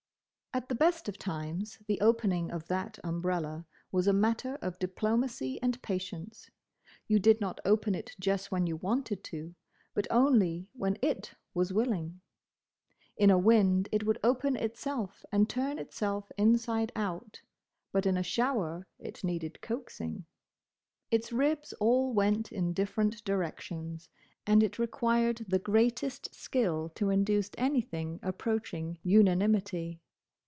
At the best of times the opening of that umbrella was a matter of diplomacy and patience. You did not open it just when you wanted to, but only when it was willing. In a wind it would open itself and turn itself inside out; but in a shower it needed coaxing. Its ribs all went in different directions and it required the greatest skill to induce anything approaching unanimity.